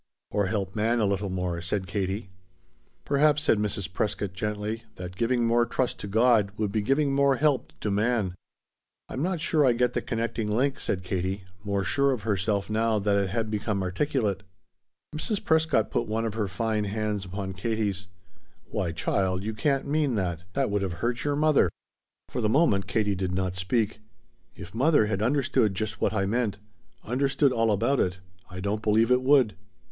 "Or help man a little more," said Katie. "Perhaps," said Mrs. Prescott gently, "that giving more trust to God would be giving more help to man." "I'm not sure I get the connecting link," said Katie, more sure of herself now that it had become articulate. Mrs. Prescott put one of her fine hands over upon Katie's. "Why, child, you can't mean that. That would have hurt your mother." For the moment Katie did not speak. "If mother had understood just what I meant understood all about it I don't believe it would."